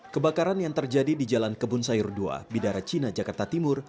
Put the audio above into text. kebakaran yang terjadi di jalan kebun sayur dua bidara cina jakarta timur